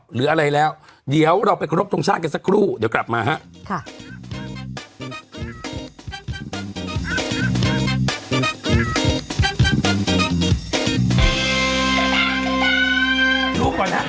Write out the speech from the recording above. หรืออะไรแล้วเดี๋ยวเราไปขอรบทรงชาติกันสักครู่เดี๋ยวกลับมาฮะ